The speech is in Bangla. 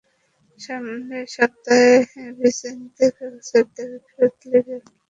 সামনের সপ্তাহে ভিসেন্তে ক্যালদেরনের ফিরতি লেগে অ্যাটলেটিকোর ঘুরে দাঁড়ানোর সম্ভাবনা তো আছেই।